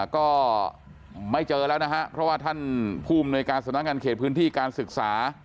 ก็ไม่เจอแล้วนะฮะเพราะว่าท่านผู้อำนวยการสำนักงานเขตพื้นที่การศึกษา